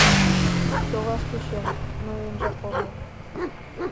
Толаш тӧчем, ноенжак омыл...